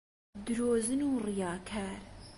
درۆزن و ڕیاکار